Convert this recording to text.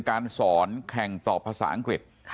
การสอนแข่งต่อภาษาอังกฤษ